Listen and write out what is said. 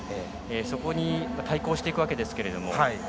そこに対抗していくわけですが。